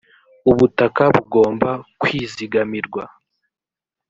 ubutaka bugomba kwizigamirwa .